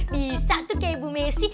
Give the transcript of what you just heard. bisa tuh kayak ibu messi